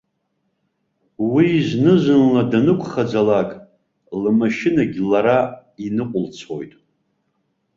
Уи зны-зынла данықәхаӡалак, лмашьынагь лара иныҟәылцоит.